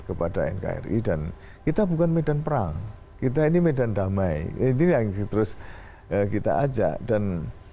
kepada nkri dan kita bukan medan perang kita ini medan damai ini yang terus kita ajak dan